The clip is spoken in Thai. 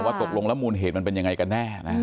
ตกลงแล้วมูลเหตุมันเป็นยังไงกันแน่นะ